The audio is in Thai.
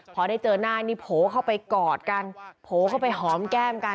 พอได้เจอหน้านี่โผล่เข้าไปกอดกันโผล่เข้าไปหอมแก้มกัน